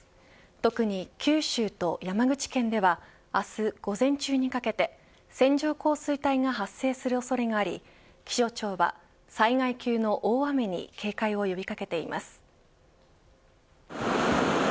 特に九州と山口県では明日午前中にかけて線状降水帯が発生する恐れがあり気象庁は災害級の大雨に警戒を呼び掛けています。